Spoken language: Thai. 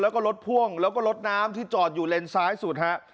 แล้วก็รถพ่วงแล้วก็รถน้ำที่จอดอยู่เลนซ้ายสุดฮะ